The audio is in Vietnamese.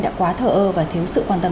đã quá thờ ơ và thiếu sự quan tâm